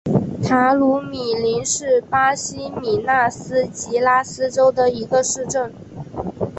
塔鲁米林是巴西米纳斯吉拉斯州的一个市镇。